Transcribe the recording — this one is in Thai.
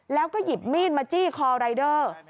แล้วก็หยิบมีดมาจี้คอรายเดอร์